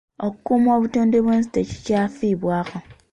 Okukuuma obutonde bw'ensi tekikyafiibwako.